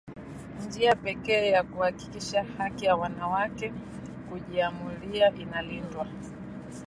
njia pekee ya kuhakikisha haki ya wanawake kujiamulia inalindwa